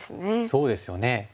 そうですよね。